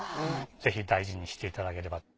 ぜひ大事にしていただければ。